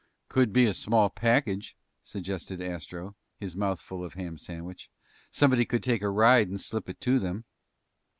"Could be a small package," suggested Astro, his mouth full of ham sandwich. "Somebody could take a ride and slip it to them."